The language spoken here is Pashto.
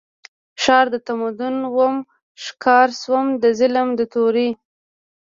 ښار د تمدن وم ښکار شوم د ظالم د تورې